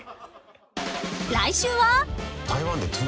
［来週は］